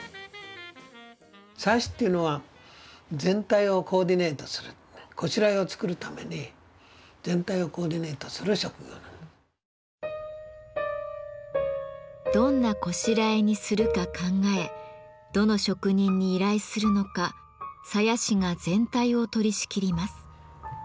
鞘師っていうのは全体をコーディネートするどんな拵にするか考えどの職人に依頼するのか鞘師が全体を取りしきります。